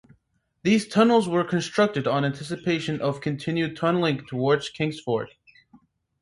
These tunnels were constructed on anticipation of continued tunnelling towards Kingsford.